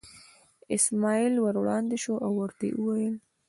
اسماعیل ور وړاندې شو او ورته یې وویل.